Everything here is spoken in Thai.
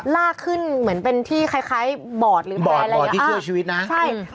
ลากขึ้นเหมือนเป็นที่คล้ายคล้ายบอร์ดหรือแบบอะไรอย่างเงี้ยบอร์ดบอร์ดที่เชื่อชีวิตนะใช่